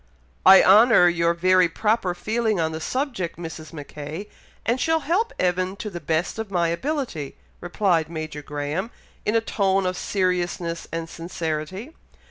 "I honour your very proper feeling on the subject, Mrs. Mackay, and shall help Evan to the best of my ability," replied Major Graham, in a tone of seriousness and sincerity.